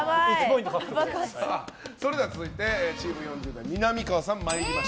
それでは続いてチーム４０代みなみかわさん。